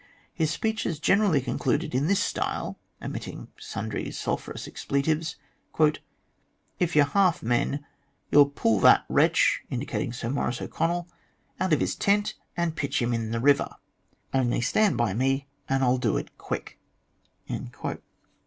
His speeches generally concluded in this style, omitting sundry sulphurous expletives :" If you're half men, you'll pull that wretch (indicating Sir Maurice O'Connell) out of his tent and pitch him into the river. Only stand by me, and I'll do it quick.'